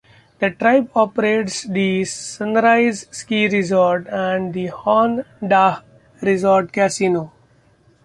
The tribe operates the Sunrise ski resort and the Hon-Dah Resort Casino.